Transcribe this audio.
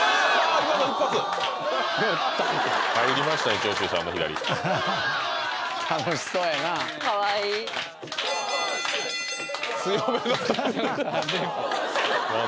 今の一発入りましたね長州さんの左楽しそうやなかわいい強めの「トン」